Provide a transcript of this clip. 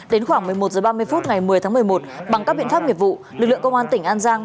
đến khoảng một mươi một h ba mươi phút ngày một mươi tháng một mươi một bằng các biện pháp nghiệp vụ lực lượng công an tỉnh an giang